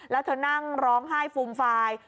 แล้วเธอนั่งร้องไห้ฟูมฟาย